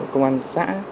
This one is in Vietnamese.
công an xã